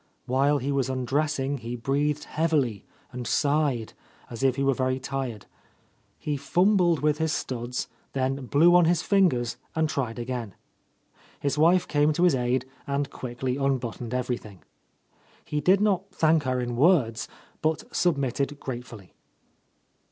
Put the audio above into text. While he was undressing he breathed heavily and sighed, as if he were very tired. He fumbled with his studs, then blew on his fingers and tried again. His wife came to his aid and quickly unbuttoned everything. He did not thank her in words, but submitted grate fully.